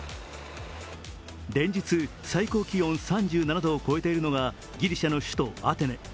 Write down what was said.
連日、最高気温３７度を超えているのがギリシャの首都アテネ。